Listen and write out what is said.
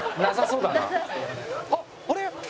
あっあれ？